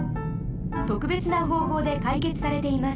とくべつなほうほうでかいけつされています。